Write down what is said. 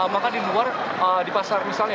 makan di luar di pasar misalnya